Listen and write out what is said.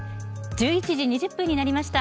１１時２０分になりました。